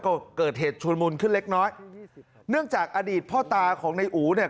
ก็เกิดเหตุชุนมุนขึ้นเล็กน้อยเนื่องจากอดีตพ่อตาของนายอู๋เนี่ย